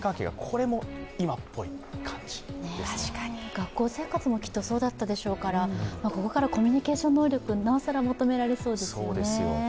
学校生活もきっとそうだったでしょうからここからコミュニケーション能力、なおさら求められそうですね。